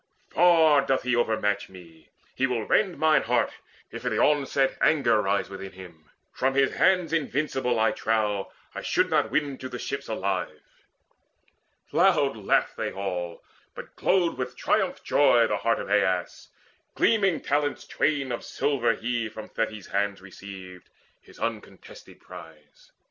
Far doth he overmatch me. He will rend Mine heart, if in the onset anger rise Within him: from his hands invincible, I trow, I should not win to the ships alive." Loud laughed they all: but glowed with triumph joy The heart of Aias. Gleaming talents twain Of silver he from Thetis' hands received, His uncontested prize.